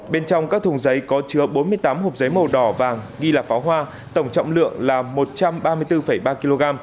bên trong các thùng giấy có chứa bốn mươi tám hộp giấy màu đỏ vàng nghi là pháo hoa tổng trọng lượng là một trăm ba mươi bốn ba kg